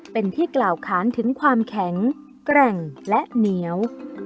เป็นที่กล่าวค้านถึงความแข็งแกร่งและเหนียว